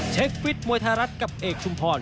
ฟิตมวยไทยรัฐกับเอกชุมพร